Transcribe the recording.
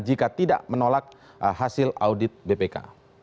jika tidak menolak hasil audit bpk